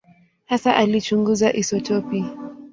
Hasa alichunguza isotopi.